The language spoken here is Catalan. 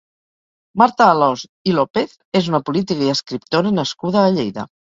Marta Alòs i López és una política i escriptora nascuda a Lleida.